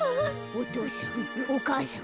お父さんお母さん